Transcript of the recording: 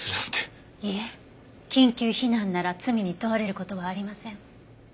いえ緊急避難なら罪に問われる事はありません。